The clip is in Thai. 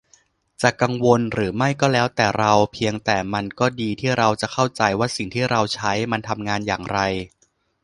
จะกังวลหรือไม่ก็แล้วแต่เรา เพียงแต่มันก็ดีที่เราจะเข้าใจว่าสิ่งที่เราใช้มันทำงานอย่างไร